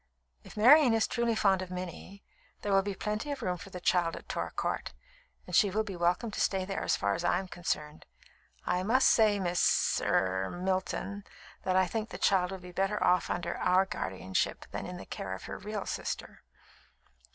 "If Marian is truly fond of Minnie, there will be plenty of room for the child at Torr Court, and she will be welcome to stay there, as far as I am concerned. I must say, Miss er Milton, that I think the child will be better off under our guardianship than in the care of her real sister."